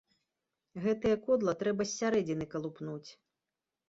Гэтае кодла трэба з сярэдзіны калупнуць.